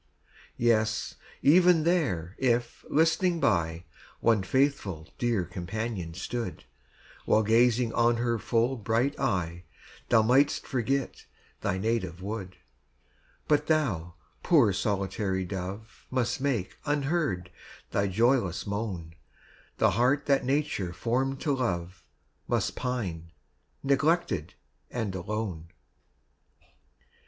Yes, even there, if, listening by, One faithful dear companion stood, While gazing on her full bright eye, Thou mightst forget thy native wood But thou, poor solitary dove, Must make, unheard, thy joyless moan; The heart that Nature formed to love Must pine, neglected, and alone.